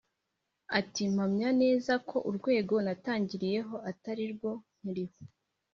Ati “ Mpamya neza ko urwego natangiriyeho atari rwo nkiriho